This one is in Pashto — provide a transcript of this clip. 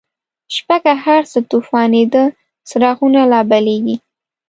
شپه که هرڅه توفانیده، څراغونه لابلیږی